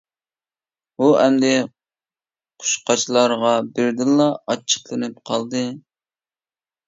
ئۇ ئەمدى قۇشقاچلارغا بىردىنلا ئاچچىقلىنىپ قالدى.